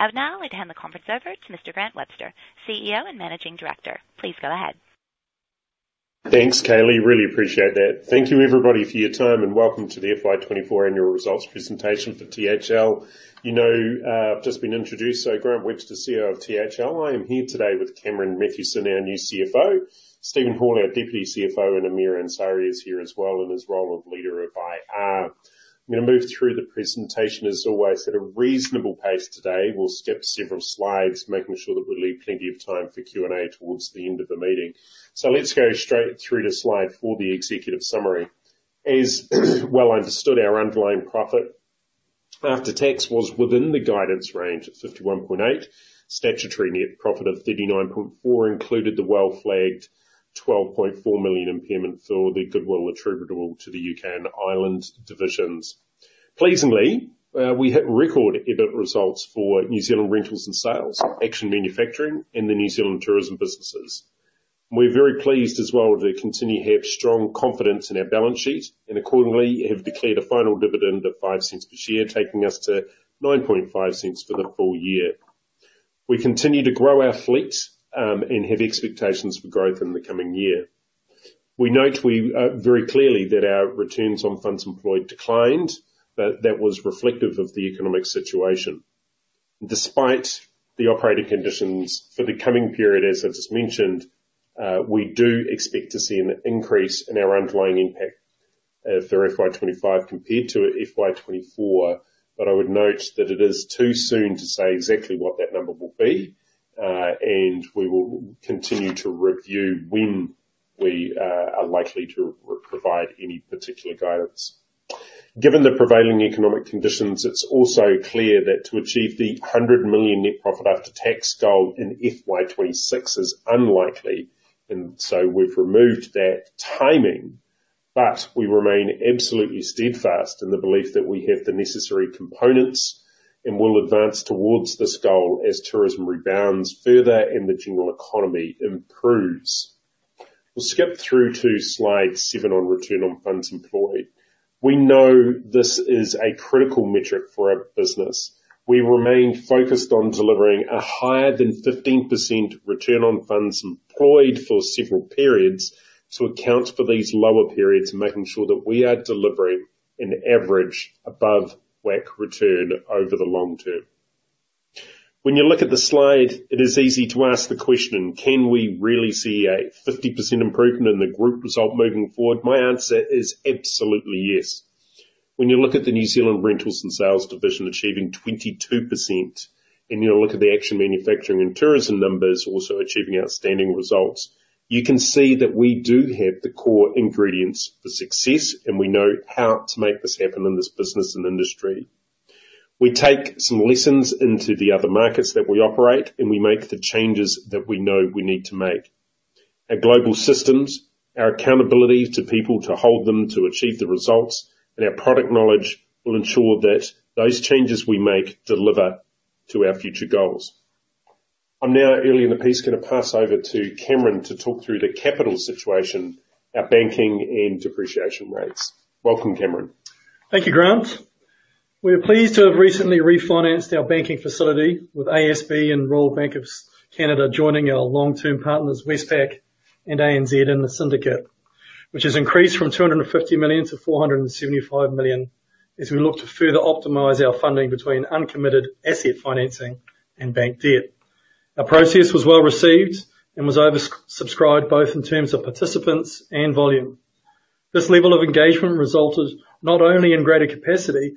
I would now like to hand the conference over to Mr. Grant Webster, CEO and Managing Director. Please go ahead. Thanks, Kaylee. Really appreciate that. Thank you, everybody, for your time, and welcome to the FY24 annual results presentation for THL. You know, I've just been introduced. So Grant Webster, CEO of THL. I am here today with Cameron Mathewson, our new CFO, Steven Hall, our Deputy CFO, and Amir Ansari is here as well in his role of Leader of IR. I'm gonna move through the presentation, as always, at a reasonable pace today. We'll skip several slides, making sure that we leave plenty of time for Q&A towards the end of the meeting. So let's go straight through to slide four, the executive summary. As well understood, our underlying profit after tax was within the guidance range at 51.8 million. Statutory net profit of 39.4 million included the well-flagged 12.4 million impairment for the goodwill attributable to the UK and Ireland divisions. Pleasingly, we hit record EBIT results for New Zealand Rentals and Sales, Action Manufacturing, and the New Zealand tourism businesses. We're very pleased as well to continue to have strong confidence in our balance sheet, and accordingly, have declared a final dividend of 0.05 per share, taking us to 0.095 for the full year. We continue to grow our fleet and have expectations for growth in the coming year. We note we very clearly that our returns on funds employed declined, but that was reflective of the economic situation. Despite the operating conditions for the coming period, as I just mentioned, we do expect to see an increase in our underlying NPAT for FY 2025 compared to FY 2024, but I would note that it is too soon to say exactly what that number will be. And we will continue to review when we are likely to re-provide any particular guidance. Given the prevailing economic conditions, it's also clear that to achieve the 100 million net profit after tax goal in FY26 is unlikely, and so we've removed that timing. But we remain absolutely steadfast in the belief that we have the necessary components, and will advance towards this goal as tourism rebounds further and the general economy improves. We'll skip through to slide seven on return on funds employed. We know this is a critical metric for our business. We remain focused on delivering a higher than 15% return on funds employed for several periods to account for these lower periods, making sure that we are delivering an average above WACC return over the long term. When you look at the slide, it is easy to ask the question: Can we really see a 50% improvement in the group result moving forward? My answer is absolutely yes. When you look at the New Zealand Rentals and Sales division achieving 22%, and you look at the Action Manufacturing and Tourism numbers also achieving outstanding results, you can see that we do have the core ingredients for success, and we know how to make this happen in this business and industry. We take some lessons into the other markets that we operate, and we make the changes that we know we need to make. Our global systems, our accountability to people to hold them to achieve the results, and our product knowledge will ensure that those changes we make deliver to our future goals. I'm now, early in the piece, gonna pass over to Cameron to talk through the capital situation, our banking, and depreciation rates. Welcome, Cameron. Thank you, Grant. We are pleased to have recently refinanced our banking facility with ASB and Royal Bank of Canada joining our long-term partners, Westpac and ANZ, in the syndicate, which has increased from 250 million to 475 million as we look to further optimize our funding between uncommitted asset financing and bank debt. Our process was well received and was oversubscribed, both in terms of participants and volume. This level of engagement resulted not only in greater capacity,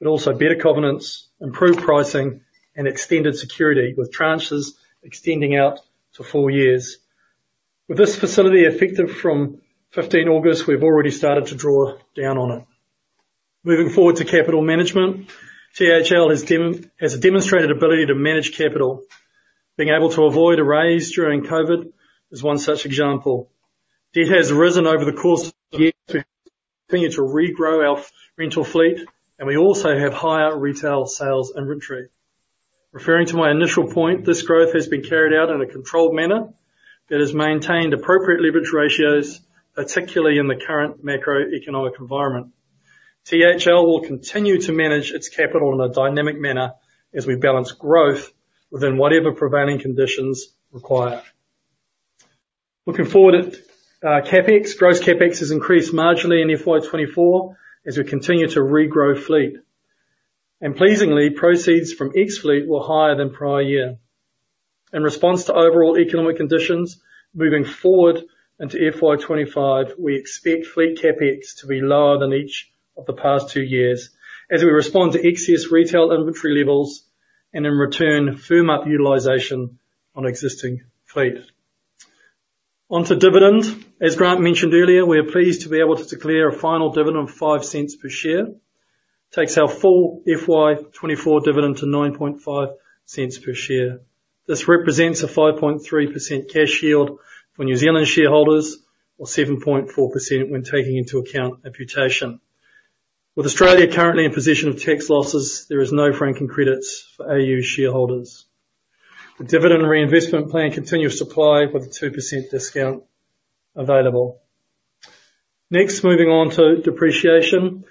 but also better covenants, improved pricing, and extended security, with tranches extending out to four years. With this facility effective from 15th August, we've already started to draw down on it. Moving forward to capital management, THL has demonstrated ability to manage capital. Being able to avoid a raise during COVID is one such example. Debt has risen over the course of the year to continue to regrow our rental fleet, and we also have higher retail sales and inventory. Referring to my initial point, this growth has been carried out in a controlled manner that has maintained appropriate leverage ratios, particularly in the current macroeconomic environment. THL will continue to manage its capital in a dynamic manner as we balance growth within whatever prevailing conditions require. Looking forward at CapEx. Gross CapEx has increased marginally in FY 2024 as we continue to regrow fleet, and pleasingly, proceeds from ex-fleet were higher than prior year. In response to overall economic conditions, moving forward into FY 2025, we expect fleet CapEx to be lower than each of the past two years as we respond to excess retail inventory levels, and in return, firm up utilization on existing fleet. Onto dividend. As Grant mentioned earlier, we are pleased to be able to declare a final dividend of 0.05 per share. Takes our full FY24 dividend to 0.095 per share. This represents a 5.3% cash yield for New Zealand shareholders or 7.4% when taking into account imputation. With Australia currently in a position of tax losses, there is no franking credits for Australian shareholders. The dividend reinvestment plan continues to apply with a 2% discount available. Next, moving on to depreciation.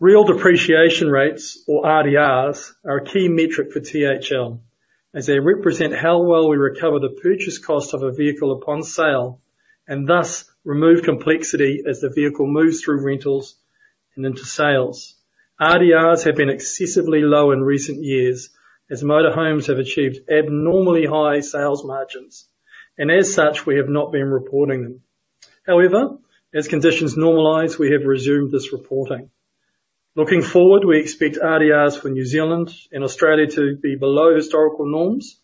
Real depreciation rates, or RDRs, are a key metric for THL, as they represent how well we recover the purchase cost of a vehicle upon sale, and thus remove complexity as the vehicle moves through rentals and into sales. RDRs have been excessively low in recent years, as motor homes have achieved abnormally high sales margins, and as such, we have not been reporting them. However, as conditions normalize, we have resumed this reporting. Looking forward, we expect RDRs for New Zealand and Australia to be below historical norms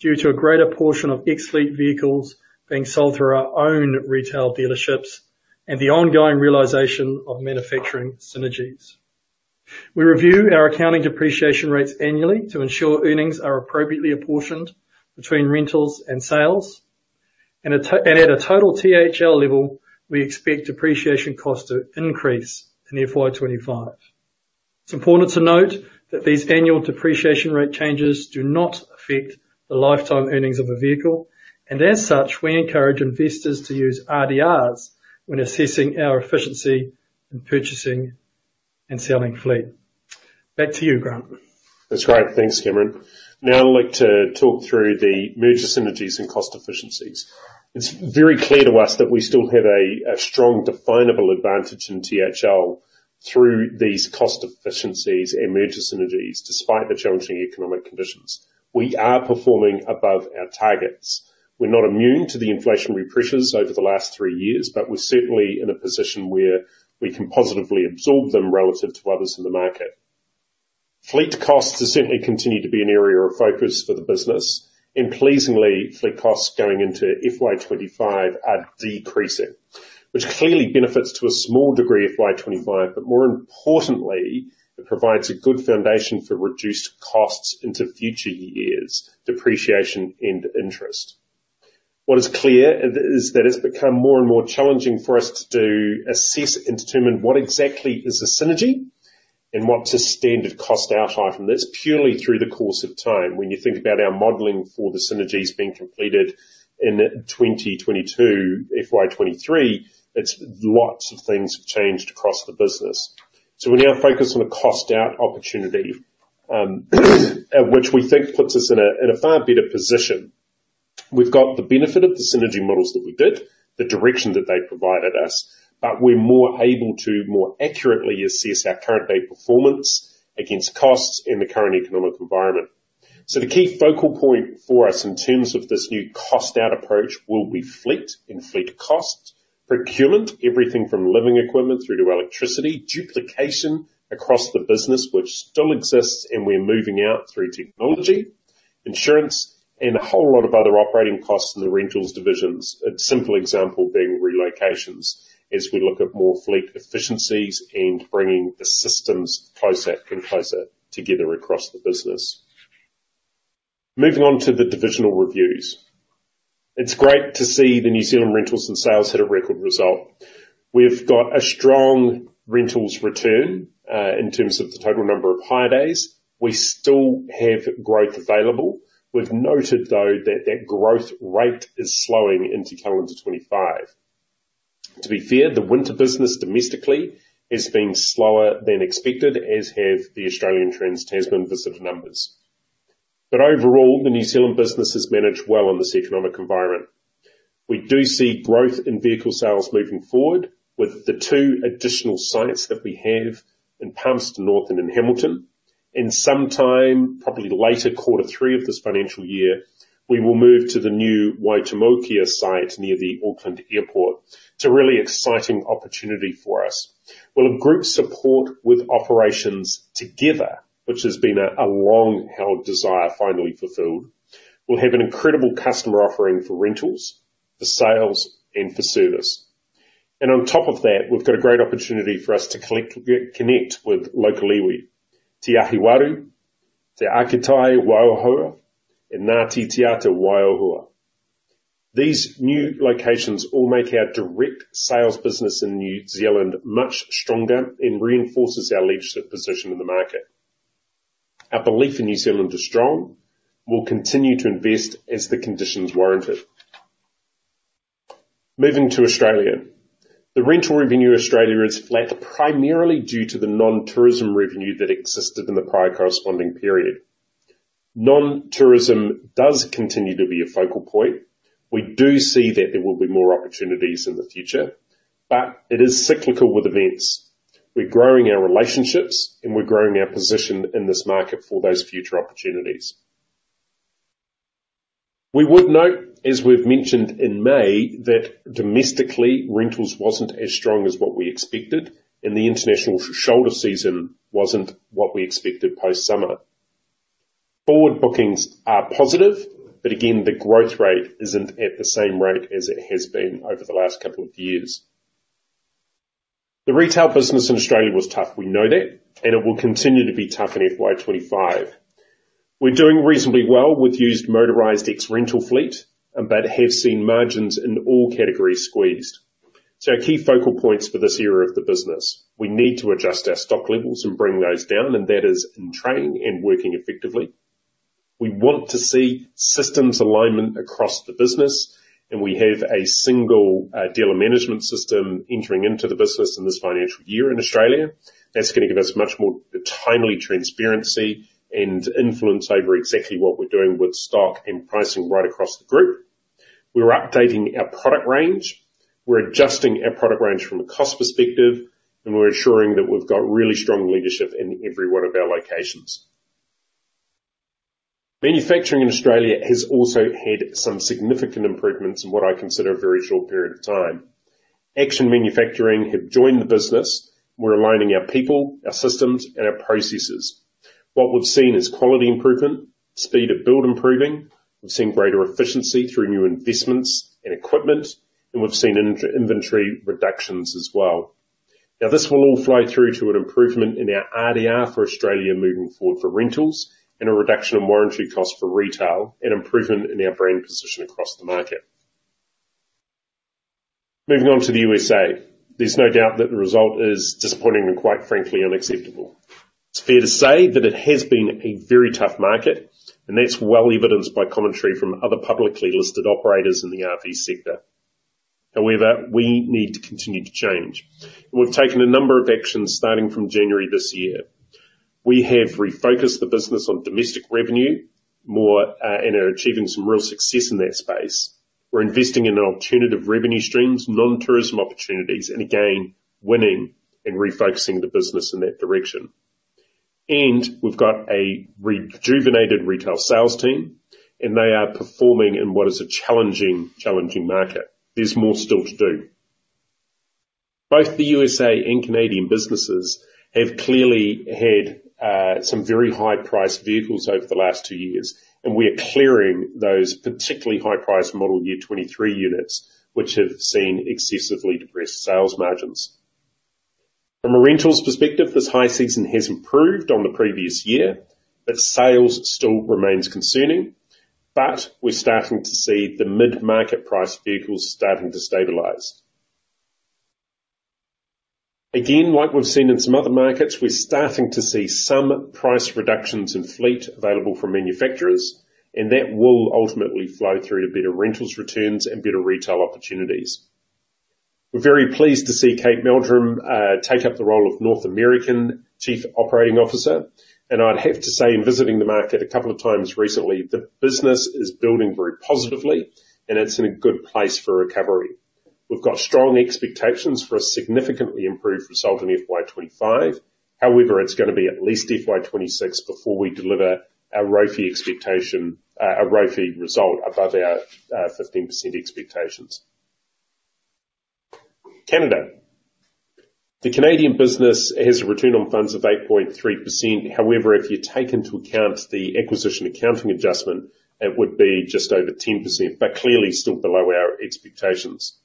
due to a greater portion of ex-fleet vehicles being sold through our own retail dealerships and the ongoing realization of manufacturing synergies. We review our accounting depreciation rates annually to ensure earnings are appropriately apportioned between rentals and sales. And at a total THL level, we expect depreciation costs to increase in FY 2025. It's important to note that these annual depreciation rate changes do not affect the lifetime earnings of a vehicle, and as such, we encourage investors to use RDRs when assessing our efficiency in purchasing and selling fleet. Back to you, Grant. That's great. Thanks, Cameron. Now I'd like to talk through the merger synergies and cost efficiencies. It's very clear to us that we still have a strong definable advantage in THL through these cost efficiencies and merger synergies, despite the challenging economic conditions. We are performing above our targets. We're not immune to the inflationary pressures over the last three years, but we're certainly in a position where we can positively absorb them relative to others in the market. Fleet costs are certainly continued to be an area of focus for the business, and pleasingly, fleet costs going into FY 2025 are decreasing, which clearly benefits to a small degree, FY 2025, but more importantly, it provides a good foundation for reduced costs into future years, depreciation and interest. What is clear is that it's become more and more challenging for us to assess and determine what exactly is a synergy and what's a standard cost out item. That's purely through the course of time. When you think about our modeling for the synergies being completed in twenty twenty-two, FY twenty-three, it's lots of things have changed across the business. So we now focus on a cost out opportunity, which we think puts us in a far better position. We've got the benefit of the synergy models that we did, the direction that they provided us, but we're more able to more accurately assess our current day performance against costs in the current economic environment. So the key focal point for us in terms of this new cost-out approach will be fleet and fleet costs, procurement, everything from living equipment through to electricity, duplication across the business, which still exists, and we're moving out through technology, insurance, and a whole lot of other operating costs in the rentals divisions. A simple example being relocations, as we look at more fleet efficiencies and bringing the systems closer and closer together across the business. Moving on to the divisional reviews. It's great to see the New Zealand rentals and sales hit a record result. We've got a strong rentals return in terms of the total number of hire days. We still have growth available. We've noted, though, that that growth rate is slowing into calendar 2025. To be fair, the winter business domestically has been slower than expected, as have the Australian Trans-Tasman visitor numbers. Overall, the New Zealand business has managed well in this economic environment. We do see growth in vehicle sales moving forward with the two additional sites that we have in Palmerston North and in Hamilton, and sometime, probably later quarter three of this financial year, we will move to the new Waitomo site near the Auckland Airport. It's a really exciting opportunity for us. We'll have group support with operations together, which has been a long-held desire finally fulfilled. We'll have an incredible customer offering for rentals, for sales, and for service. On top of that, we've got a great opportunity for us to connect with local iwi, Te Āti Awa, Te Ākitai Waiohua, and Ngāti Te Ata Waiohua. These new locations all make our direct sales business in New Zealand much stronger and reinforce our leadership position in the market. Our belief in New Zealand is strong. We'll continue to invest as the conditions warrant it. Moving to Australia. The rental revenue in Australia is flat, primarily due to the non-tourism revenue that existed in the prior corresponding period. Non-tourism does continue to be a focal point. We do see that there will be more opportunities in the future, but it is cyclical with events. We're growing our relationships, and we're growing our position in this market for those future opportunities. We would note, as we've mentioned in May, that domestically, rentals wasn't as strong as what we expected, and the international shoulder season wasn't what we expected post-summer. Forward bookings are positive, but again, the growth rate isn't at the same rate as it has been over the last couple of years. The retail business in Australia was tough, we know that, and it will continue to be tough in FY25. We're doing reasonably well with used motorized ex-rental fleet, but have seen margins in all categories squeezed. So our key focal points for this area of the business: we need to adjust our stock levels and bring those down, and that is in train and working effectively. We want to see systems alignment across the business, and we have a single dealer management system entering into the business in this financial year in Australia. That's gonna give us much more timely transparency and influence over exactly what we're doing with stock and pricing right across the group. We're updating our product range. We're adjusting our product range from a cost perspective, and we're ensuring that we've got really strong leadership in every one of our locations. Manufacturing in Australia has also had some significant improvements in what I consider a very short period of time. Action Manufacturing have joined the business. We're aligning our people, our systems, and our processes. What we've seen is quality improvement, speed of build improving. We've seen greater efficiency through new investments in equipment, and we've seen in inventory reductions as well. Now, this will all flow through to an improvement in our RDR for Australia moving forward for rentals, and a reduction in warranty costs for retail, and improvement in our brand position across the market. Moving on to the USA, there's no doubt that the result is disappointing and, quite frankly, unacceptable. It's fair to say that it has been a very tough market, and that's well evidenced by commentary from other publicly listed operators in the RV sector. However, we need to continue to change, and we've taken a number of actions starting from January this year. We have refocused the business on domestic revenue more, and are achieving some real success in that space. We're investing in alternative revenue streams, non-tourism opportunities, and again, winning and refocusing the business in that direction. And we've got a rejuvenated retail sales team, and they are performing in what is a challenging, challenging market. There's more still to do. Both the USA and Canadian businesses have clearly had some very high priced vehicles over the last two years, and we are clearing those particularly high price model year 2023 units, which have seen excessively depressed sales margins. From a rentals perspective, this high season has improved on the previous year, but sales still remains concerning. But we're starting to see the mid-market price vehicles starting to stabilize. Again, like we've seen in some other markets, we're starting to see some price reductions in fleet available from manufacturers, and that will ultimately flow through to better rentals returns and better retail opportunities. We're very pleased to see Kate Meldrum take up the role of North American Chief Operating Officer. I'd have to say, in visiting the market a couple of times recently, the business is building very positively, and it's in a good place for recovery. We've got strong expectations for a significantly improved result in FY 2025. However, it's gonna be at least FY 2026 before we deliver our ROE expectation, our ROE result above our 15% expectations. Canada. The Canadian business has a return on funds of 8.3%. However, if you take into account the acquisition accounting adjustment, it would be just over 10%, but clearly still below our expectations.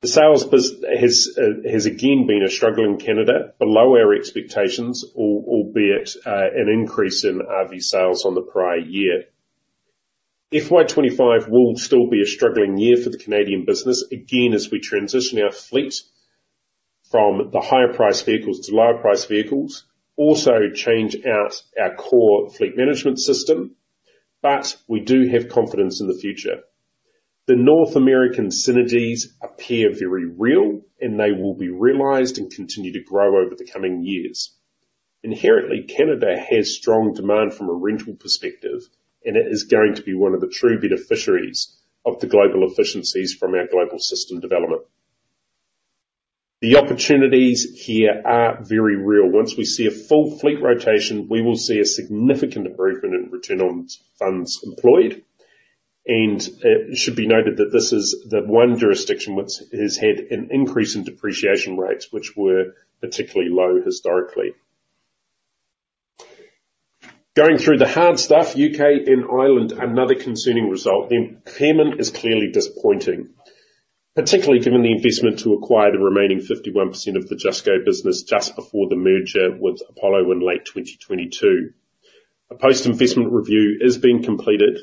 The sales business has again been a struggle in Canada, below our expectations, albeit an increase in RV sales on the prior year. FY25 will still be a struggling year for the Canadian business, again, as we transition our fleet from the higher priced vehicles to lower priced vehicles, also change out our core fleet management system, but we do have confidence in the future. The North American synergies appear very real, and they will be realized and continue to grow over the coming years. Inherently, Canada has strong demand from a rental perspective, and it is going to be one of the true beneficiaries of the global efficiencies from our global system development. The opportunities here are very real. Once we see a full fleet rotation, we will see a significant improvement in return on funds employed, and it should be noted that this is the one jurisdiction which has had an increase in depreciation rates, which were particularly low historically. Going through the hard stuff, UK and Ireland, another concerning result, and payback is clearly disappointing, particularly given the investment to acquire the remaining 51% of the Just Go business just before the merger with Apollo in late 2022. A post-investment review is being completed,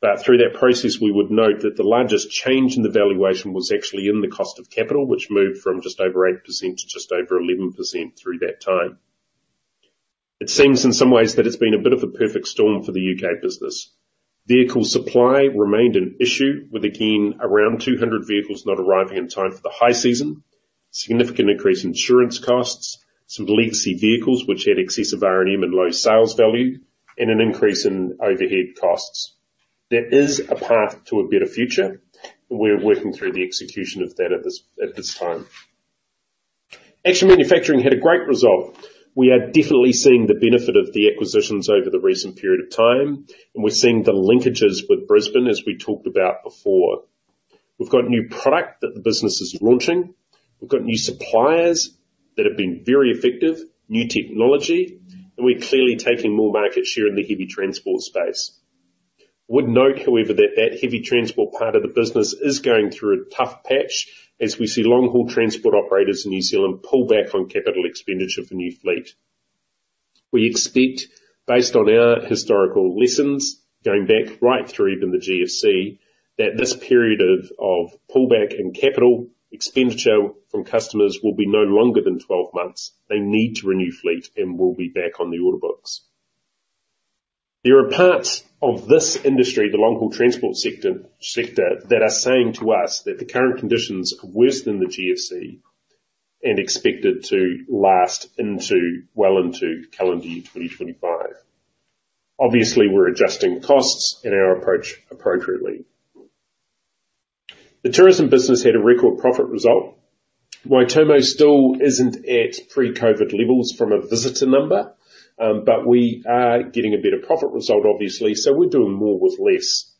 but through that process, we would note that the largest change in the valuation was actually in the cost of capital, which moved from just over 8% to just over 11% through that time. It seems in some ways that it's been a bit of a perfect storm for the UK business. Vehicle supply remained an issue, with again, around two hundred vehicles not arriving in time for the high season, significant increase in insurance costs, some legacy vehicles which had excessive R&M and low sales value, and an increase in overhead costs. There is a path to a better future. We're working through the execution of that at this, at this time. Action Manufacturing had a great result. We are definitely seeing the benefit of the acquisitions over the recent period of time, and we're seeing the linkages with Brisbane, as we talked about before. We've got new product that the business is launching. We've got new suppliers that have been very effective, new technology, and we're clearly taking more market share in the heavy transport space. Would note, however, that the heavy transport part of the business is going through a tough patch as we see long-haul transport operators in New Zealand pull back on capital expenditure for new fleet. We expect, based on our historical lessons, going back right through even the GFC, that this period of pullback in capital expenditure from customers will be no longer than twelve months. They need to renew fleet and will be back on the order books.... There are parts of this industry, the long-haul transport sector, that are saying to us that the current conditions are worse than the GFC and expected to last into, well into calendar year 2025. Obviously, we're adjusting costs and our approach appropriately. The tourism business had a record profit result. Waitomo still isn't at pre-COVID levels from a visitor number, but we are getting a better profit result, obviously, so we're doing more with less.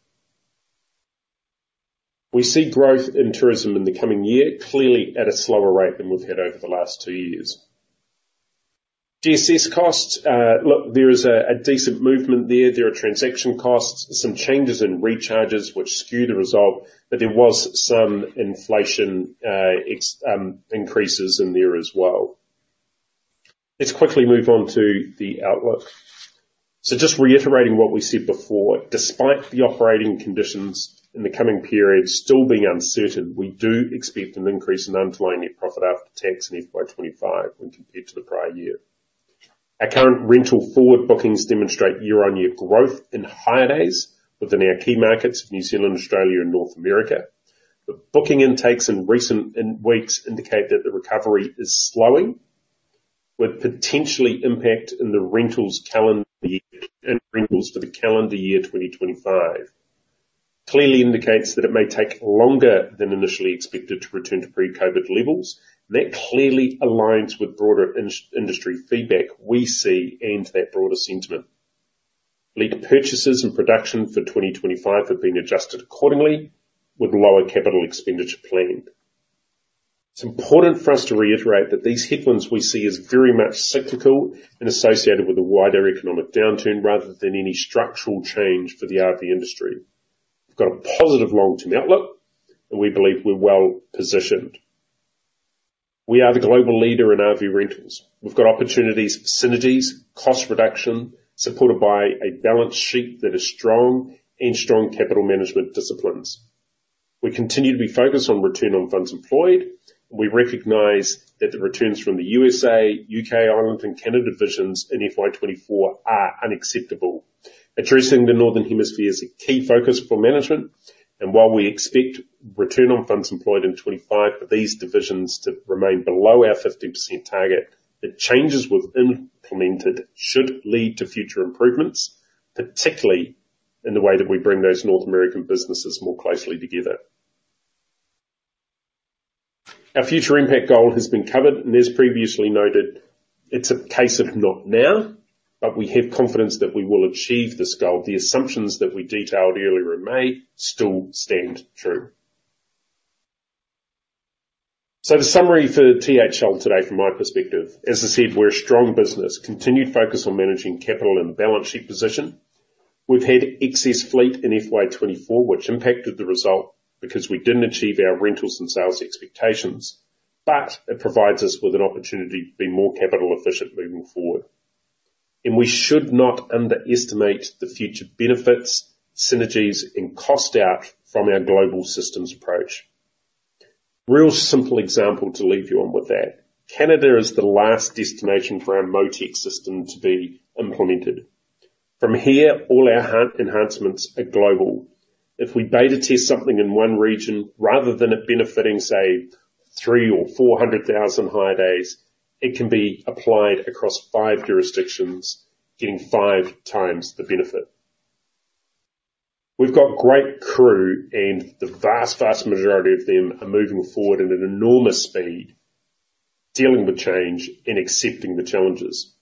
We see growth in tourism in the coming year, clearly at a slower rate than we've had over the last two years. GSS costs, look, there is a decent movement there. There are transaction costs, some changes in recharges which skew the result, but there was some inflation, increases in there as well. Let's quickly move on to the outlook. So just reiterating what we said before, despite the operating conditions in the coming period still being uncertain, we do expect an increase in underlying net profit after tax in FY 2025 when compared to the prior year. Our current rental forward bookings demonstrate year-on-year growth in hire days within our key markets, New Zealand, Australia and North America. The booking intakes in recent weeks indicate that the recovery is slowing, with potential impact in the rentals for the calendar year 2025. Clearly indicates that it may take longer than initially expected to return to pre-COVID levels, and that clearly aligns with broader industry feedback we see and that broader sentiment. Fleet purchases and production for 2025 have been adjusted accordingly, with lower capital expenditure planned. It's important for us to reiterate that these headwinds we see as very much cyclical and associated with a wider economic downturn rather than any structural change for the RV industry. We've got a positive long-term outlook, and we believe we're well positioned. We are the global leader in RV rentals. We've got opportunities for synergies, cost reduction, supported by a balance sheet that is strong and strong capital management disciplines. We continue to be focused on return on funds employed, and we recognize that the returns from the USA, UK, Ireland, and Canada divisions in FY 24 are unacceptable. Addressing the Northern Hemisphere is a key focus for management, and while we expect return on funds employed in 25 for these divisions to remain below our 15% target, the changes we've implemented should lead to future improvements, particularly in the way that we bring those North American businesses more closely together. Our future impact goal has been covered, and as previously noted, it's a case of not now, but we have confidence that we will achieve this goal. The assumptions that we detailed earlier in May still stand true. So the summary for THL today, from my perspective, as I said, we're a strong business, continued focus on managing capital and balance sheet position. We've had excess fleet in FY24, which impacted the result because we didn't achieve our rentals and sales expectations, but it provides us with an opportunity to be more capital efficient moving forward. And we should not underestimate the future benefits, synergies, and cost out from our global systems approach. Real simple example to leave you on with that: Canada is the last destination for our Motech system to be implemented. From here, all our hardware enhancements are global. If we beta test something in one region, rather than it benefiting, say, 300 or 400 thousand hire days, it can be applied across five jurisdictions, getting five times the benefit. We've got great crew, and the vast, vast majority of them are moving forward at an enormous speed, dealing with change and accepting the challenges.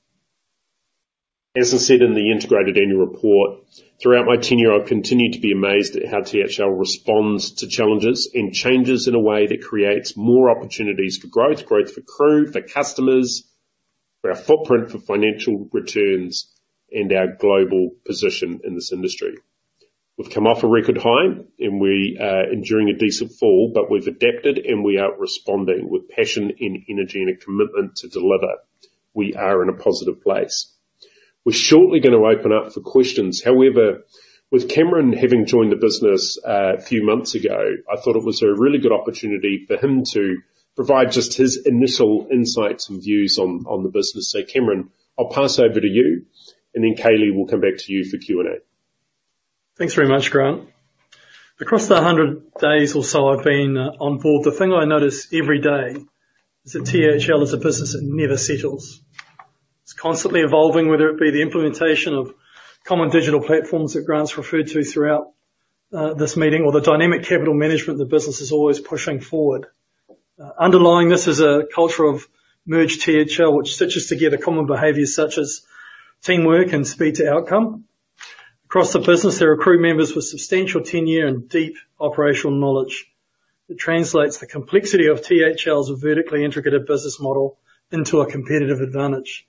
As I said in the integrated annual report, throughout my tenure, I've continued to be amazed at how THL responds to challenges and changes in a way that creates more opportunities for growth, growth for crew, for customers, for our footprint, for financial returns, and our global position in this industry. We've come off a record high, and we enduring a decent fall, but we've adapted, and we are responding with passion and energy and a commitment to deliver. We are in a positive place. We're shortly gonna open up for questions. However, with Cameron having joined the business a few months ago, I thought it was a really good opportunity for him to provide just his initial insights and views on the business. So Cameron, I'll pass over to you, and then Kaylee will come back to you for Q&A. Thanks very much, Grant. Across the hundred days or so I've been on board, the thing I notice every day is that THL is a business that never settles. It's constantly evolving, whether it be the implementation of common digital platforms that Grant's referred to throughout this meeting or the dynamic capital management, the business is always pushing forward. Underlying this is a culture of merged THL, which stitches together common behaviors such as teamwork and speed to outcome. Across the business, there are crew members with substantial tenure and deep operational knowledge. It translates the complexity of THL's vertically integrated business model into a competitive advantage.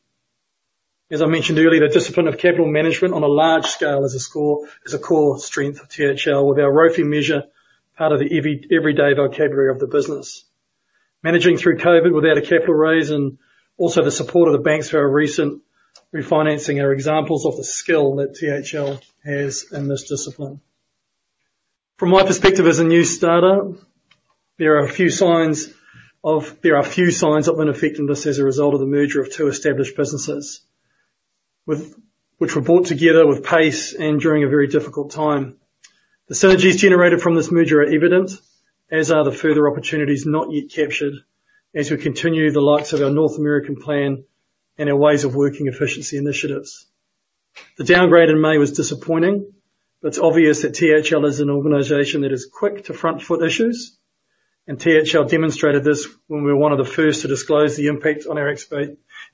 As I mentioned earlier, the discipline of capital management on a large scale is a core strength of THL, with our ROFE measure part of the everyday vocabulary of the business. Managing through COVID without a capital raise and also the support of the banks for our recent refinancing are examples of the skill that THL has in this discipline. From my perspective as a new starter, there are a few signs of ineffectiveness as a result of the merger of two established businesses, with which were brought together with pace and during a very difficult time. The synergies generated from this merger are evident, as are the further opportunities not yet captured, as we continue the likes of our North American plan and our ways of working efficiency initiatives. The downgrade in May was disappointing, but it's obvious that THL is an organization that is quick to front-foot issues, and THL demonstrated this when we were one of the first to disclose the impact on our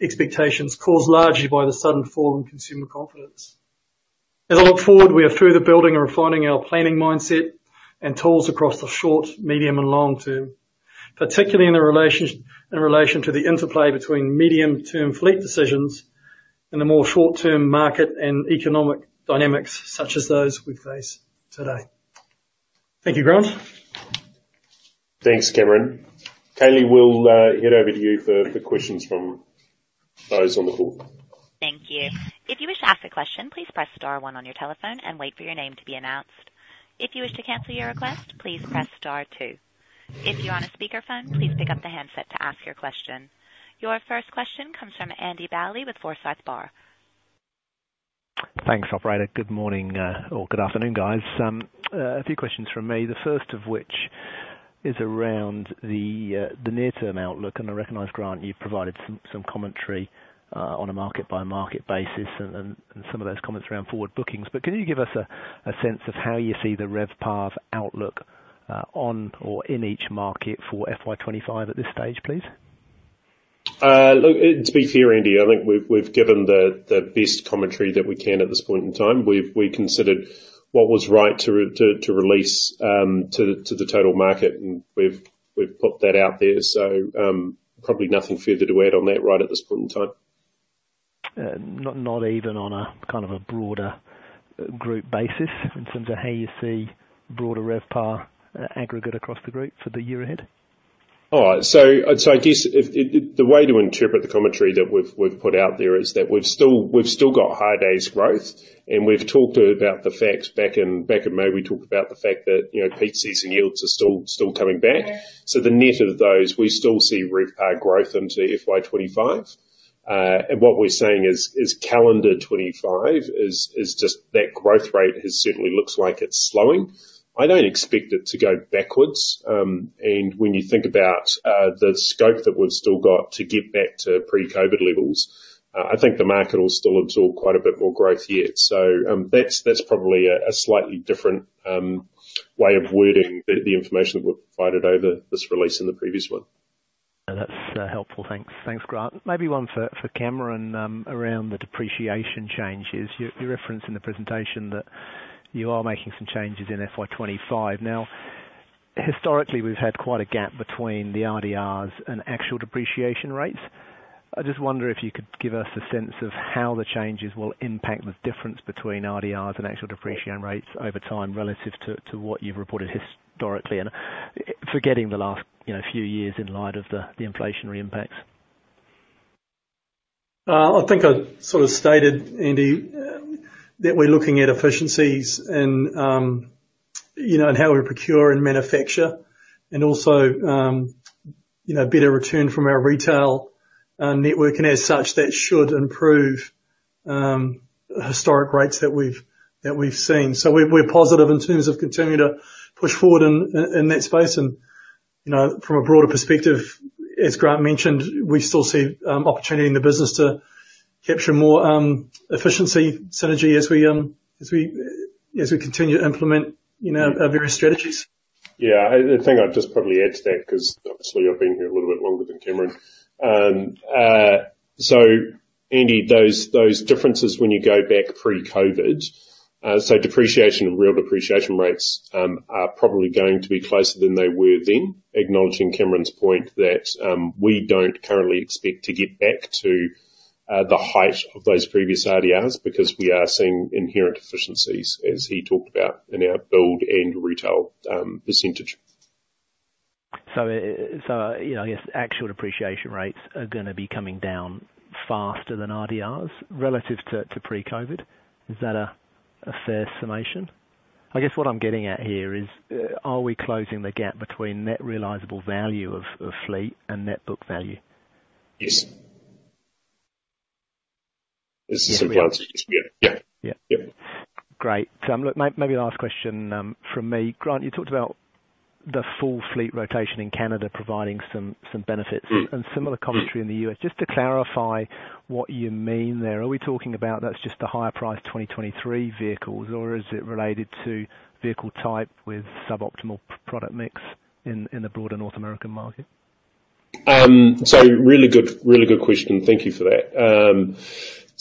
expectations, caused largely by the sudden fall in consumer confidence. As I look forward, we are further building and refining our planning mindset and tools across the short, medium, and long term, particularly in relation to the interplay between medium-term fleet decisions and the more short-term market and economic dynamics, such as those we face today. Thank you, Grant. Thanks, Cameron. Kaylee, we'll head over to you for questions from those on the call. Thank you. If you wish to ask a question, please press star one on your telephone and wait for your name to be announced. If you wish to cancel your request, please press star two. If you're on a speakerphone, please pick up the handset to ask your question. Your first question comes from Andy Bowley with Forsyth Barr. Thanks, operator. Good morning or good afternoon, guys. A few questions from me, the first of which is around the near-term outlook. And I recognize, Grant, you've provided some commentary on a market-by-market basis and some of those comments around forward bookings. But can you give us a sense of how you see the RevPAR outlook on or in each market for FY 2025 at this stage, please? Look, to be fair, Andy, I think we've given the best commentary that we can at this point in time. We considered what was right to release to the total market, and we've put that out there. Probably nothing further to add on that right at this point in time. Not even on a kind of a broader group basis, in terms of how you see broader RevPAR, aggregate across the group for the year ahead? All right. The way to interpret the commentary that we've put out there is that we've still got hire days growth, and we've talked about the fact that back in May, we talked about the fact that, you know, peak season yields are still coming back. The net of those, we still see RevPAR growth into FY 2025. And what we're saying is calendar 2025 is just that growth rate certainly looks like it's slowing. I don't expect it to go backwards. And when you think about the scope that we've still got to get back to pre-COVID levels, I think the market will still absorb quite a bit more growth yet. So, that's probably a slightly different way of wording the information that we've provided over this release and the previous one. That's helpful. Thanks. Thanks, Grant. Maybe one for Cameron around the depreciation changes. You referenced in the presentation that you are making some changes in FY 2025. Now, historically, we've had quite a gap between the RDRs and actual depreciation rates. I just wonder if you could give us a sense of how the changes will impact the difference between RDRs and actual depreciation rates over time, relative to what you've reported historically, and forgetting the last, you know, few years in light of the inflationary impacts. I think I sort of stated, Andy, that we're looking at efficiencies and, you know, and how we procure and manufacture. And also, you know, better return from our retail network, and as such, that should improve historic rates that we've seen. So we're positive in terms of continuing to push forward in that space. And, you know, from a broader perspective, as Grant mentioned, we still see opportunity in the business to capture more efficiency, synergy, as we continue to implement, you know, our various strategies. Yeah. The thing I'd just probably add to that, 'cause obviously I've been here a little bit longer than Cameron. So Andy, those differences when you go back pre-COVID, so depreciation and real depreciation rates are probably going to be closer than they were then. Acknowledging Cameron's point that we don't currently expect to get back to the height of those previous RDRs, because we are seeing inherent efficiencies, as he talked about, in our build and retail percentage. You know, I guess actual depreciation rates are gonna be coming down faster than RDRs relative to pre-COVID. Is that a fair summation? I guess what I'm getting at here is, are we closing the gap between net realizable value of fleet and net book value? Yes. This is- Yeah. Yeah. Yeah. Yep. Great. So, look, maybe the last question from me. Grant, you talked about the full fleet rotation in Canada providing some benefits- Mm. And similar commentary in the U.S. Just to clarify what you mean there, are we talking about that? That's just the higher priced 2023 vehicles, or is it related to vehicle type with suboptimal product mix in the broader North American market? Really good, really good question. Thank you for that.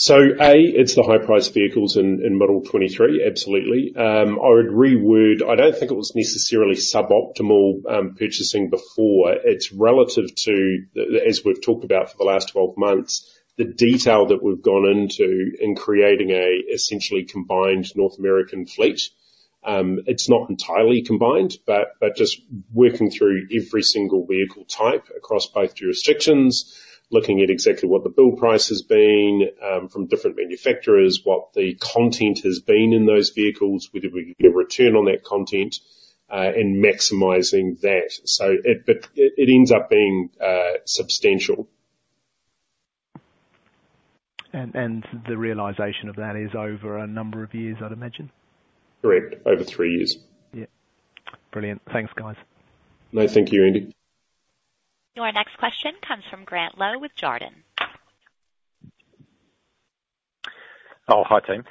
So A, it's the high-priced vehicles in model 2023, absolutely. I would reword. I don't think it was necessarily suboptimal purchasing before. It's relative to the, as we've talked about for the last 12 months, the detail that we've gone into in creating a essentially combined North American fleet. It's not entirely combined, but just working through every single vehicle type across both jurisdictions, looking at exactly what the bill price has been from different manufacturers, what the content has been in those vehicles, whether we can get a return on that content, and maximizing that. But it ends up being substantial. And the realization of that is over a number of years, I'd imagine? Correct. Over three years. Yeah. Brilliant. Thanks, guys. No, thank you, Andy. Your next question comes from Grant Lowe with Jarden. Oh, hi, team.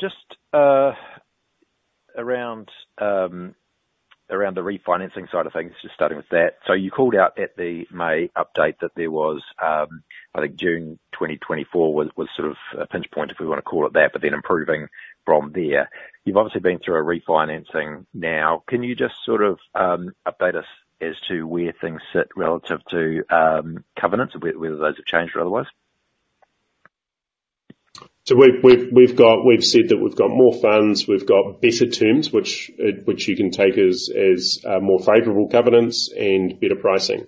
Just around the refinancing side of things, just starting with that. So you called out at the May update that there was, I think June 2024 was sort of a pinch point, if we wanna call it that, but then improving from there. You've obviously been through a refinancing now. Can you just sort of update us as to where things sit relative to covenants, and whether those have changed or otherwise? We've said that we've got more funds, we've got better terms, which you can take as more favorable covenants and better pricing.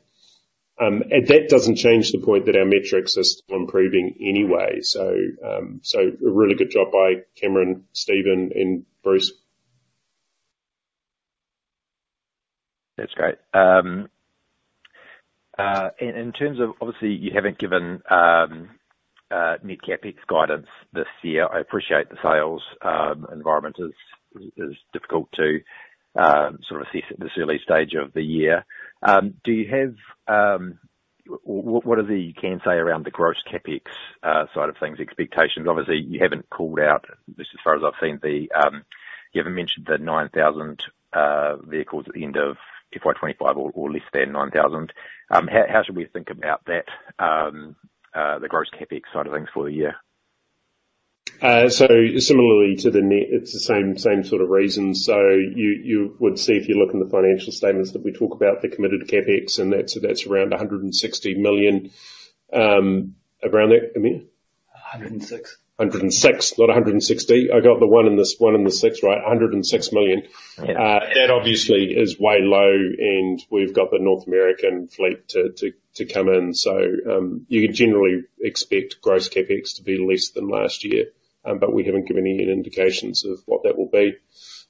And that doesn't change the point that our metrics are still improving anyway. So a really good job by Cameron, Stephen, and Bruce. That's great. And in terms of... Obviously, you haven't given net CapEx guidance this year. I appreciate the sales environment is difficult to sort of assess at this early stage of the year. Do you have what, what are the you can say around the gross CapEx side of things, expectations? Obviously, you haven't called out, at least as far as I've seen, you haven't mentioned the 9,000 vehicles at the end of FY 2025 or less than 9,000. How should we think about that, the gross CapEx side of things for the year? So similarly to the net, it's the same, same sort of reasons. So you would see, if you look in the financial statements, that we talk about the committed CapEx, and that's around 160 million, around there, Amir? 106 million. 106 million, not 160 million. I got the 106 million right. 106 million. Yeah. That obviously is way low, and we've got the North American fleet to come in. So, you generally expect gross CapEx to be less than last year, but we haven't given any indications of what that will be.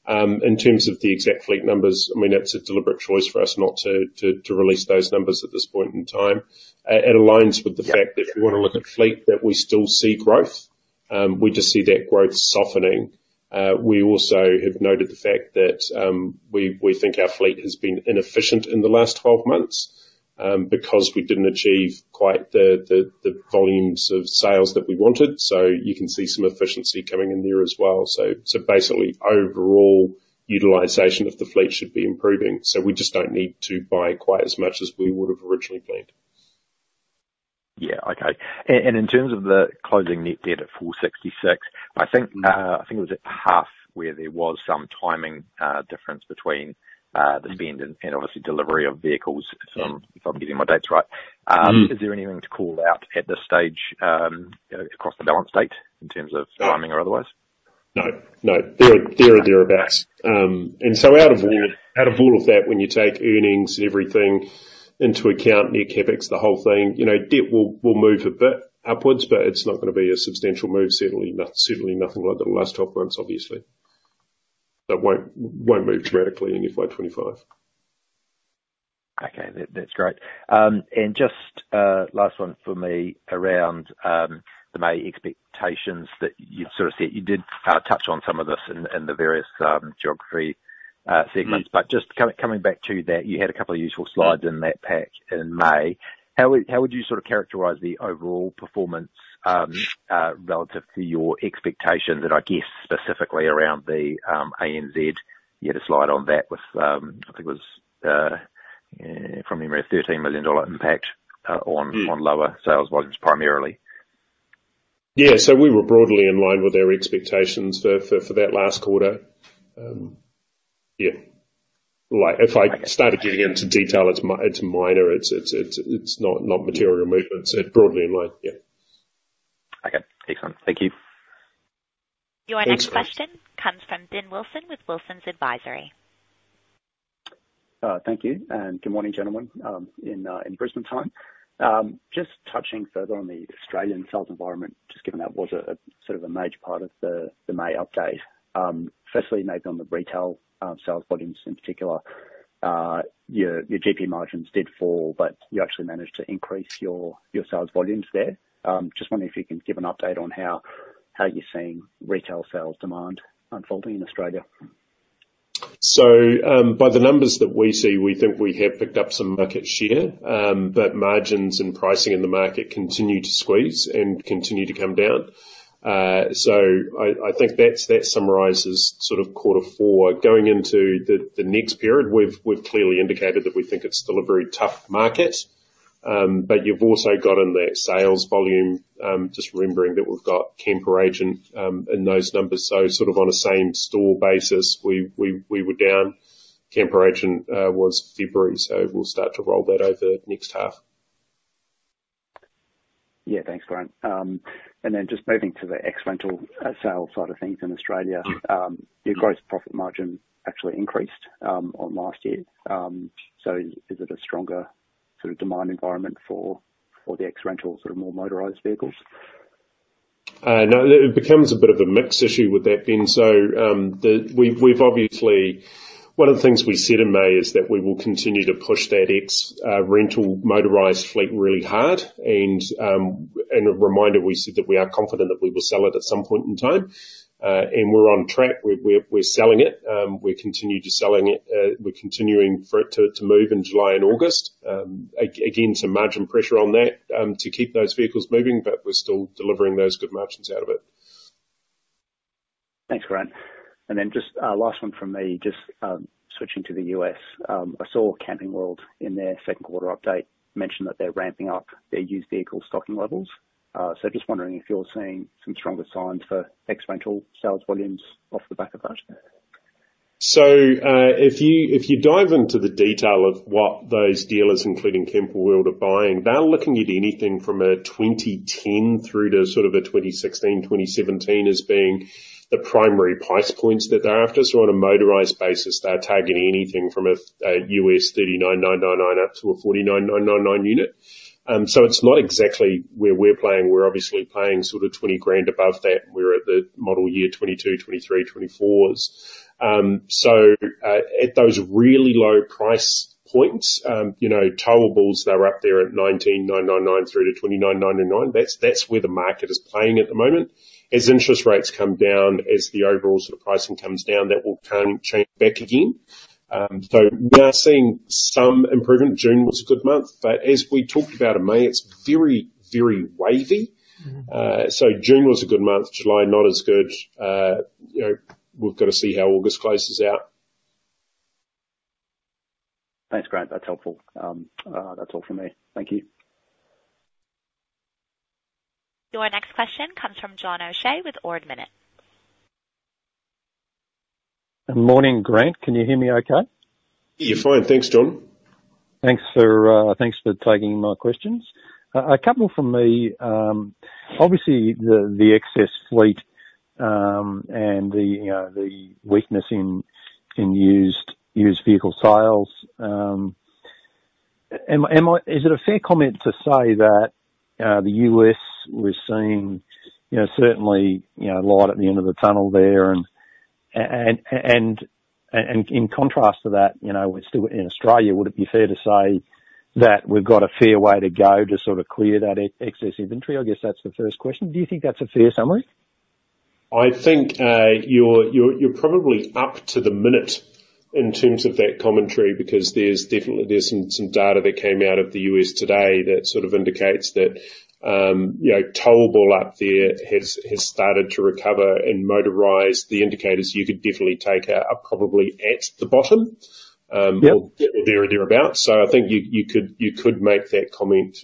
In terms of the exact fleet numbers, I mean, that's a deliberate choice for us not to release those numbers at this point in time. It aligns with the fact- Yeah. That if you wanna look at fleet, that we still see growth. We just see that growth softening. We also have noted the fact that we think our fleet has been inefficient in the last 12 months because we didn't achieve quite the volumes of sales that we wanted, so you can see some efficiency coming in there as well. So basically, overall utilization of the fleet should be improving, so we just don't need to buy quite as much as we would've originally planned. Yeah. Okay. And, and in terms of the closing net debt at 466 million, I think, I think it was at half, where there was some timing, difference between, Mm-hmm. the spend and obviously delivery of vehicles Yeah. if I'm getting my dates right. Mm. Is there anything to call out at this stage, you know, across the balance date, in terms of timing or otherwise? No, no. There are thereabout. And so out of all- Yeah. Out of all of that, when you take earnings and everything into account, net CapEx, the whole thing, you know, debt will move a bit upwards, but it's not gonna be a substantial move, certainly nothing like the last 12 months, obviously. It won't move dramatically in FY 2025. Okay. That's great, and just last one from me around the May expectations that you've sort of set. You did touch on some of this in the various geography segments- Mm. But just coming back to that, you had a couple of useful slides in that pack in May. How would you sort of characterize the overall performance relative to your expectations, and I guess specifically around the ANZ? You had a slide on that with, I think it was, from memory, a 13 million dollar impact on- Mm... on lower sales volumes, primarily. Yeah, so we were broadly in line with our expectations for that last quarter. Yeah. Like, if I- Okay... started getting into detail, it's minor. It's not material movements. It's broadly in line, yeah. Okay. Excellent. Thank you. Your next question comes from Ben Wilson with Wilsons Advisory. Thank you, and good morning, gentlemen, in Brisbane time. Just touching further on the Australian sales environment, just given that was a sort of a major part of the May update, firstly, maybe on the retail sales volumes in particular, your GP margins did fall, but you actually managed to increase your sales volumes there. Just wondering if you can give an update on how you're seeing retail sales demand unfolding in Australia? So, by the numbers that we see, we think we have picked up some market share, but margins and pricing in the market continue to squeeze and continue to come down. So I think that summarizes sort of quarter four. Going into the next period, we've clearly indicated that we think it's still a very tough market, but you've also got in that sales volume, just remembering that we've got Camperagent in those numbers. So sort of on a same store basis, we were down. Camperagent was February, so we'll start to roll that over next half. Yeah, thanks, Grant. And then just moving to the ex-rental sales side of things in Australia, your gross profit margin actually increased on last year. So is it a stronger sort of demand environment for the ex-rental, sort of more motorized vehicles? No, it becomes a bit of a mix issue with that, Ben. So, we've obviously one of the things we said in May is that we will continue to push that ex-rental motorized fleet really hard, and a reminder, we said that we are confident that we will sell it at some point in time. And we're on track. We're selling it. We're continuing to move it in July and August. Again, some margin pressure on that to keep those vehicles moving, but we're still delivering those good margins out of it. Thanks, Grant. And then just a last one from me. Just switching to the U.S., I saw Camping World, in their second quarter update, mention that they're ramping up their used vehicle stocking levels. So just wondering if you're seeing some stronger signs for ex-rental sales volumes off the back of that? So, if you dive into the detail of what those dealers, including Camping World, are buying, they're looking at anything from a 2010 through to sort of a 2016, 2017, as being the primary price points that they're after. So on a motorized basis, they're targeting anything from a $39,999 up to a $49,999 unit. So it's not exactly where we're playing. We're obviously playing sort of 20 grand above that. We're at the model year 2022, 2023, 2024s. So at those really low price points, you know, towables, they're up there at $19,999 through to $29,999. That's where the market is playing at the moment. As interest rates come down, as the overall sort of pricing comes down, that will turn, change back again. So we are seeing some improvement. June was a good month, but as we talked about in May, it's very, very wavy. Mm-hmm. So June was a good month, July, not as good. You know, we've gotta see how August closes out. Thanks, Grant. That's helpful. That's all from me. Thank you. Your next question comes from John O'Shea with Ord Minnett. Good morning, Grant. Can you hear me okay? Yeah, fine. Thanks, John. Thanks for taking my questions. A couple from me. Obviously, the excess fleet and the, you know, the weakness in used vehicle sales, Is it a fair comment to say that the U.S. was seeing, you know, certainly, you know, light at the end of the tunnel there? And in contrast to that, you know, we're still... In Australia, would it be fair to say that we've got a fair way to go to sort of clear that excess inventory? I guess that's the first question: Do you think that's a fair summary? I think, you're probably up to the minute, in terms of that commentary, because there's definitely some data that came out of the U.S. today, that sort of indicates that, you know, towable up there has started to recover, and motorized, the indicators you could definitely take out, are probably at the bottom. Yep. Or there or thereabouts. So I think you could make that comment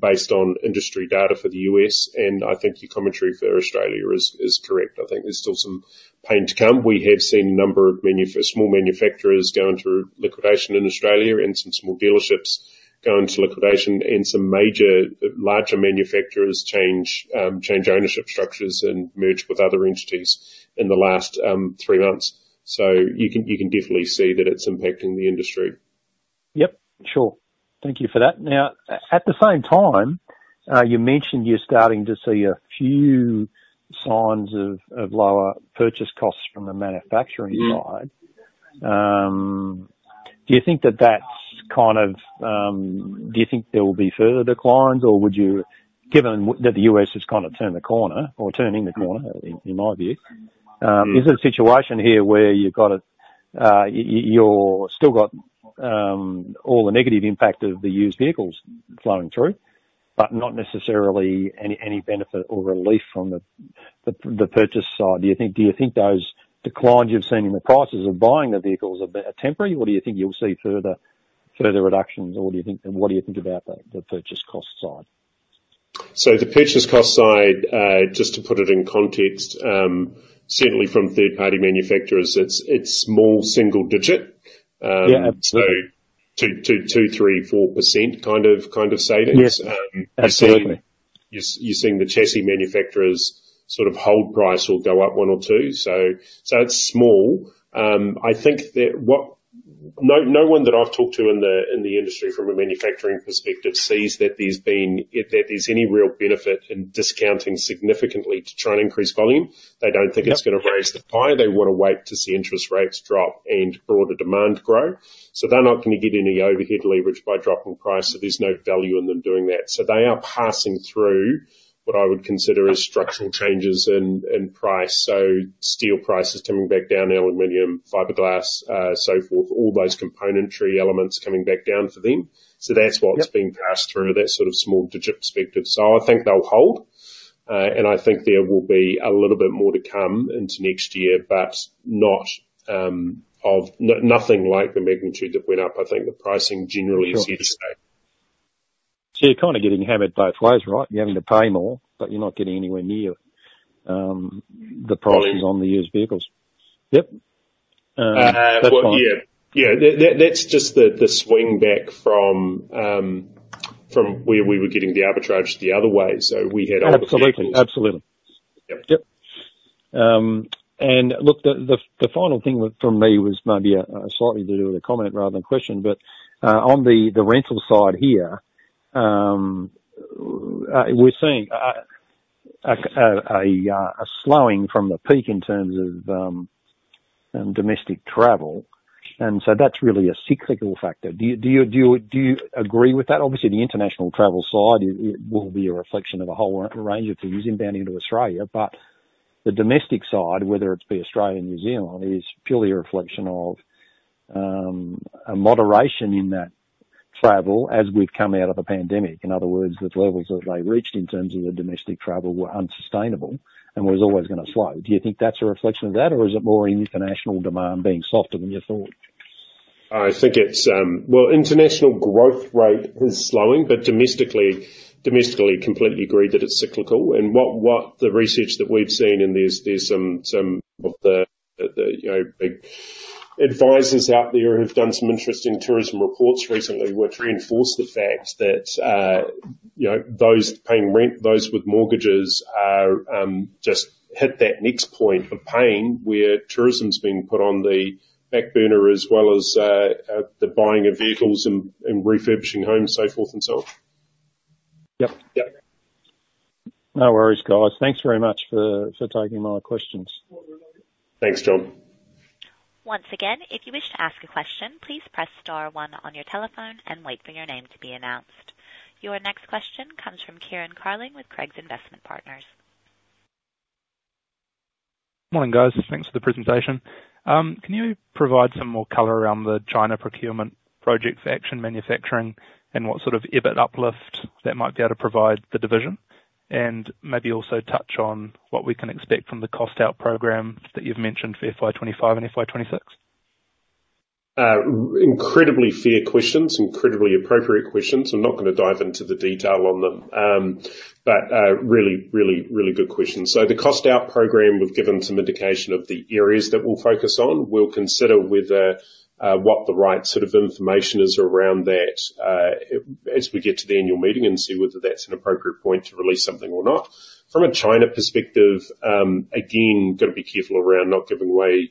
based on industry data for the US, and I think your commentary for Australia is correct. I think there's still some pain to come. We have seen a number of small manufacturers go into liquidation in Australia, and some small dealerships go into liquidation, and some major larger manufacturers change ownership structures and merge with other entities in the last three months. So you can definitely see that it's impacting the industry. Yep. Sure. Thank you for that. Now, at the same time, you mentioned you're starting to see a few signs of lower purchase costs from the manufacturing side. Mm. Do you think there will be further declines, or would you, given that the U.S. has kind of turned the corner, or turning the corner, in my view- Mm. Is it a situation here where you still got all the negative impact of the used vehicles flowing through, but not necessarily any benefit or relief from the purchase side? Do you think those declines you've seen in the prices of buying the vehicles are temporary, or do you think you'll see further reductions, or do you think... And what do you think about the purchase cost side? So the purchase cost side, just to put it in context, certainly from third-party manufacturers, it's small single digit. Yeah, absolutely. 2%-3.4%, kind of savings. Yes, absolutely. You're seeing the chassis manufacturers sort of hold price or go up one or two. So, it's small. I think... No, no one that I've talked to in the industry from a manufacturing perspective sees that there's any real benefit in discounting significantly to try and increase volume. Yep. They don't think it's gonna raise the price. They wanna wait to see interest rates drop, and broader demand grow. So they're not gonna get any overhead leverage by dropping price, so there's no value in them doing that. So they are passing through what I would consider as structural changes in price, so steel prices coming back down, aluminum, fiberglass, so forth, all those componentry elements coming back down for them. Yep. So that's what's being passed through, that sort of small digit perspective. So I think they'll hold, and I think there will be a little bit more to come into next year, but nothing like the magnitude that went up. I think the pricing generally is here to stay. So you're kind of getting hammered both ways, right? You're having to pay more, but you're not getting anywhere near, the prices- Totally On the used vehicles. Yep. Well, yeah. Yeah, that's just the swing back from where we were getting the arbitrage the other way, so we had- Absolutely. Absolutely. Yep. Yep. And look, the final thing from me was maybe a slightly little bit of a comment rather than a question, but, on the rental side here, we're seeing a slowing from the peak in terms of domestic travel, and so that's really a cyclical factor. Do you agree with that? Obviously, the international travel side will be a reflection of a whole range of things inbound into Australia, but the domestic side, whether it be Australia or New Zealand, is purely a reflection of a moderation in that travel as we've come out of the pandemic. In other words, the levels that they reached in terms of the domestic travel were unsustainable and was always gonna slow. Do you think that's a reflection of that, or is it more international demand being softer than you thought? I think it's international growth rate is slowing, but domestically, completely agree that it's cyclical. And what the research that we've seen, and there's some of the big advisors out there who've done some interesting tourism reports recently, which reinforce the fact that, you know, those paying rent, those with mortgages are just hit that next point of pain, where tourism's being put on the back burner as well as the buying of vehicles and refurbishing homes, so forth and so on. Yep. Yep. No worries, guys. Thanks very much for taking my questions. Thanks, John. Once again, if you wish to ask a question, please press star one on your telephone and wait for your name to be announced. Your next question comes from Kieran Carling with Craigs Investment Partners. Morning, guys. Thanks for the presentation. Can you provide some more color around the China procurement project for Action Manufacturing, and what sort of EBIT uplift that might be able to provide the division? And maybe also touch on what we can expect from the cost-out program that you've mentioned for FY25 and FY26. Incredibly fair questions, incredibly appropriate questions. I'm not gonna dive into the detail on them but really, really, really good questions. So the cost-out program, we've given some indication of the areas that we'll focus on. We'll consider whether what the right sort of information is around that as we get to the annual meeting and see whether that's an appropriate point to release something or not. From a China perspective, again, gotta be careful around not giving away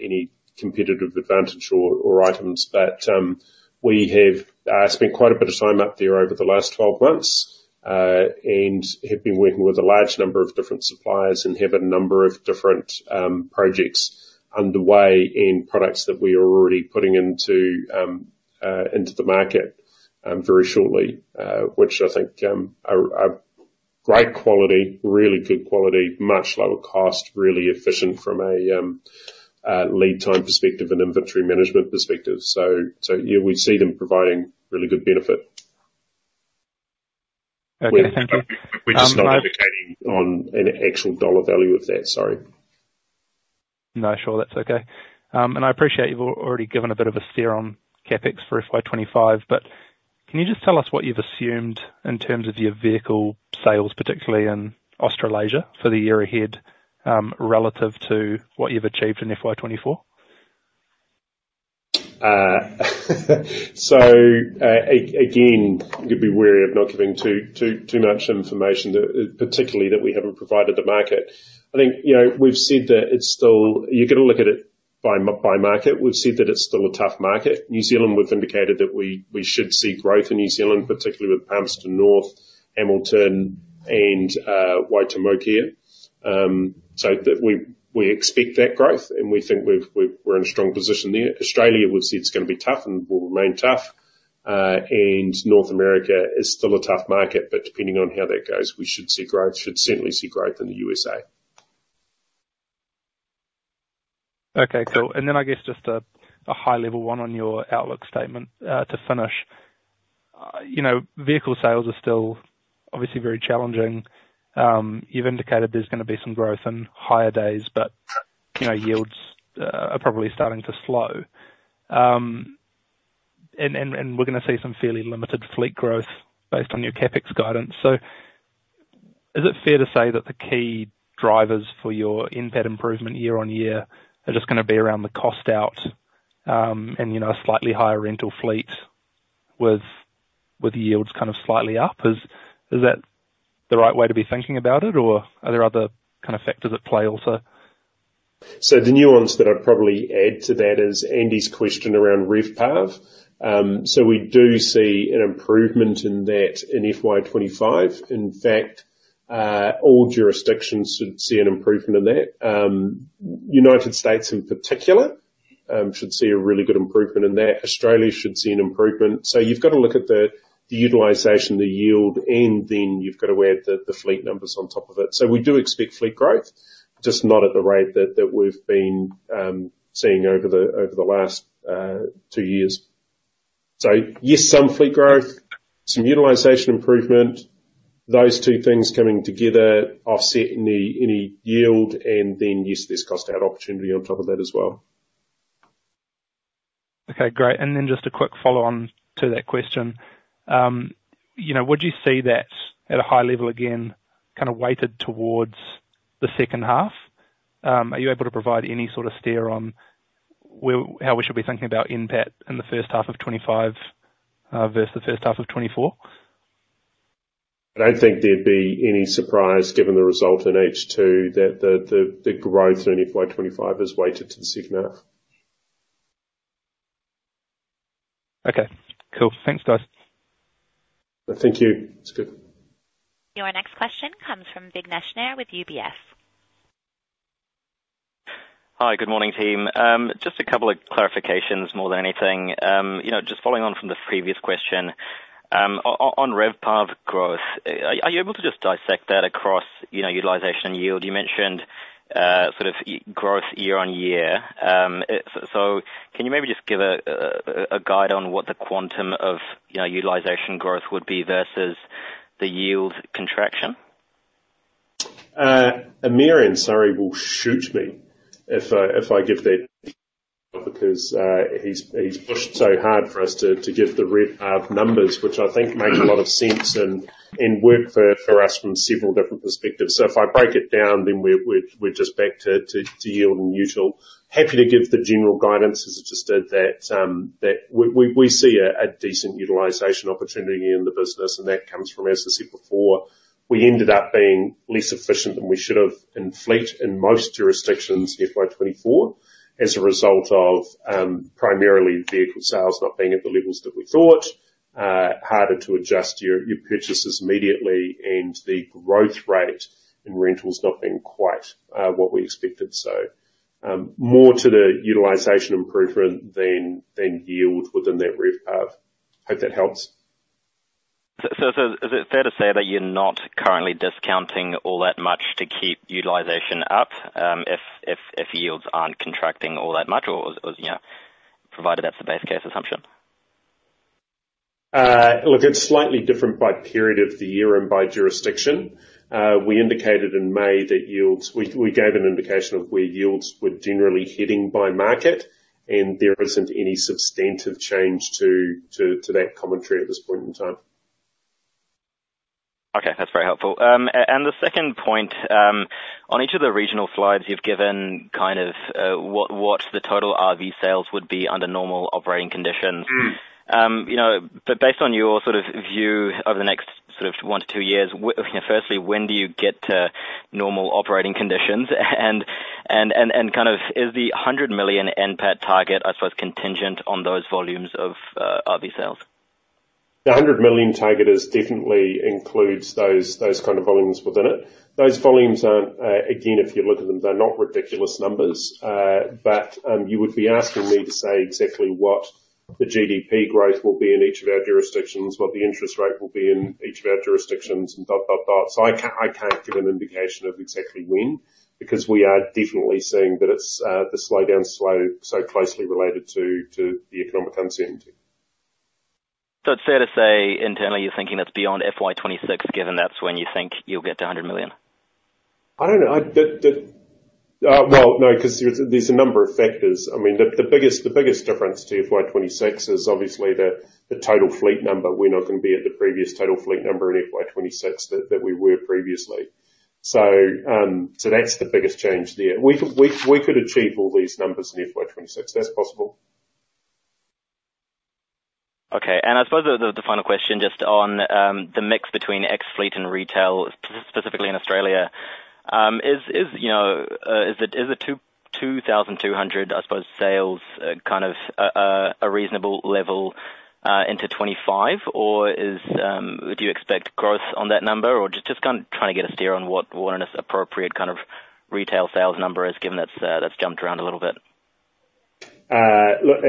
any competitive advantage or, or items, but we have spent quite a bit of time up there over the last twelve months and have been working with a large number of different suppliers and have a number of different projects underway in products that we are already putting into the market very shortly. which I think are great quality, really good quality, much lower cost, really efficient from a lead time perspective and inventory management perspective. So, yeah, we see them providing really good benefit. Okay, thank you. We're just not advocating on an actual dollar value of that, sorry. No, sure, that's okay, and I appreciate you've already given a bit of a steer on CapEx for FY 2025, but can you just tell us what you've assumed in terms of your vehicle sales, particularly in Australasia, for the year ahead, relative to what you've achieved in FY 2024? So, again, you'd be wary of not giving too much information that, particularly that we haven't provided the market. I think, you know, we've said that it's still... You've gotta look at it by market. We've said that it's still a tough market. New Zealand, we've indicated that we should see growth in New Zealand, particularly with Palmerston North, Hamilton, and Waitomo here. So that we expect that growth, and we think we're in a strong position there. Australia, we've said it's gonna be tough and will remain tough. And North America is still a tough market, but depending on how that goes, we should see growth, should certainly see growth in the USA. Okay, cool, and then I guess just a high-level one on your outlook statement to finish. You know, vehicle sales are still obviously very challenging. You've indicated there's gonna be some growth and higher days, but you know, yields are probably starting to slow. And we're gonna see some fairly limited fleet growth based on your CapEx guidance. So is it fair to say that the key drivers for your NPAT improvement year on year are just gonna be around the cost out and you know, a slightly higher rental fleet with yields kind of slightly up? Is that the right way to be thinking about it, or are there other kind of factors at play also? So the nuance that I'd probably add to that is Andy's question around RevPAR. So we do see an improvement in that in FY25. In fact, all jurisdictions should see an improvement in that. United States, in particular, should see a really good improvement in that. Australia should see an improvement. So you've gotta look at the utilization, the yield, and then you've gotta weigh the fleet numbers on top of it. So we do expect fleet growth, just not at the rate that we've been seeing over the last two years. So yes, some fleet growth, some utilization improvement, those two things coming together, offsetting any yield, and then, yes, there's cost out opportunity on top of that as well. Okay, great! And then just a quick follow-on to that question. You know, would you say that at a high level, again, kind of weighted towards the second half? Are you able to provide any sort of steer on where, how we should be thinking about NPAT in the first half of 2025 versus the first half of 2024? I don't think there'd be any surprise, given the result in H2, that the growth in FY 25 is weighted to the second half. Okay, cool. Thanks, guys. Thank you. That's good. Your next question comes from Vignesh Nair with UBS. Hi, good morning, team. Just a couple of clarifications more than anything. You know, just following on from the previous question, on RevPAR growth, are you able to just dissect that across, you know, utilization and yield? You mentioned sort of growth year on year. So can you maybe just give a guide on what the quantum of, you know, utilization growth would be versus the yield contraction? Amir, I'm sorry, will shoot me if I give that because he's pushed so hard for us to give the RevPAR numbers, which I think make a lot of sense and work for us from several different perspectives. So if I break it down, then we're just back to yield and util. Happy to give the general guidance, as I just did, that we see a decent utilization opportunity in the business, and that comes from, as I said before, we ended up being less efficient than we should have in fleet in most jurisdictions, FY 2024, as a result of primarily vehicle sales not being at the levels that we thought. Harder to adjust your purchases immediately, and the growth rate in rentals has not been quite what we expected. More to the utilization improvement than yield within that RevPAR. Hope that helps. So, so is it fair to say that you're not currently discounting all that much to keep utilization up, if yields aren't contracting all that much, or, you know, provided that's the base case assumption? Look, it's slightly different by period of the year and by jurisdiction. We indicated in May that yields... We gave an indication of where yields were generally heading by market, and there isn't any substantive change to that commentary at this point in time. Okay, that's very helpful. And the second point, on each of the regional slides, you've given kind of what the total RV sales would be under normal operating conditions. Mm. You know, but based on your sort of view over the next sort of one to two years, you know, firstly, when do you get to normal operating conditions? And kind of, is the hundred million NPAT target, I suppose, contingent on those volumes of RV sales? The 100 million target definitely includes those kind of volumes within it. Those volumes aren't again, if you look at them, they're not ridiculous numbers. But you would be asking me to say exactly what the GDP growth will be in each of our jurisdictions, what the interest rate will be in each of our jurisdictions, and dot, dot, dot. So I can't give an indication of exactly when, because we are definitely seeing that it's the slowdown is so closely related to the economic uncertainty. So it's fair to say, internally, you're thinking that's beyond FY 2026, given that's when you think you'll get to 100 million? I don't know. Well, no, 'cause there's a number of factors. I mean, the biggest difference to FY 2026 is obviously the total fleet number. We're not gonna be at the previous total fleet number in FY 2026 that we were previously. So that's the biggest change there. We could achieve all these numbers in FY 2026 That's possible. Okay, and I suppose the final question, just on the mix between ex-fleet and retail, specifically in Australia. Is it, you know, is it two thousand two hundred, I suppose, sales kind of a reasonable level into 2025, or do you expect growth on that number? Or just kind of trying to get a steer on what an appropriate kind of retail sales number is, given that's jumped around a little bit. Look,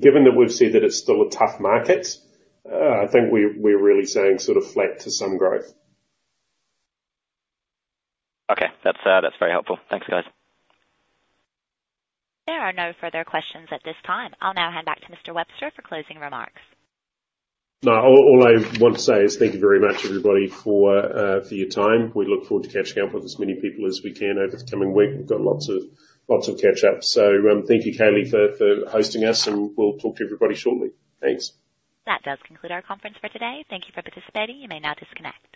given that we've said that it's still a tough market, I think we're really seeing sort of flat to some growth. Okay. That's, that's very helpful. Thanks, guys. There are no further questions at this time. I'll now hand back to Mr. Webster for closing remarks. No, all, all I want to say is, thank you very much, everybody, for your time. We look forward to catching up with as many people as we can over the coming week. We've got lots of, lots of catch up. So, thank you, Kaylee, for hosting us, and we'll talk to everybody shortly. Thanks. That does conclude our conference for today. Thank you for participating. You may now disconnect.